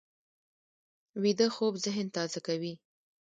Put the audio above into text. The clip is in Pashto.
ویده خوب ذهن تازه کوي